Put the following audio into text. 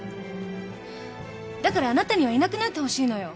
だからあなたにはいなくなってほしいのよ。